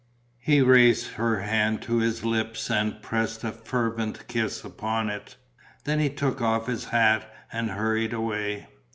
He raised her hand to his lips and pressed a fervent kiss upon it. Then he took off his hat and hurried away.